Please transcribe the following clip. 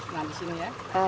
nah di sini ya